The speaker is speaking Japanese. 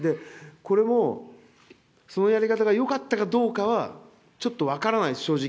これも、そのやり方がよかったかどうかは、ちょっと分からない、正直。